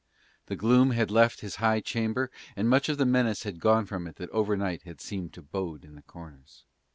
The gloom had left his high chamber, and much of the menace had gone from it that overnight had seemed to bode in the corners.